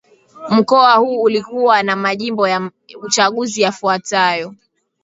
mkoa huu ulikuwa na majimbo ya uchaguzi yafuatayo